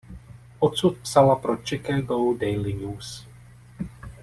Odsud psala pro Chicago Daily News.